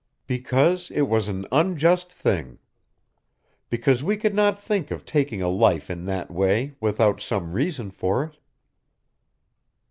"Because it was an unjust thing. Because we could not think of taking a life in that way, without some reason for it."